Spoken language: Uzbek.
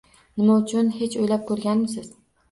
Nima uchun hech o'ylab ko'rganmisiz?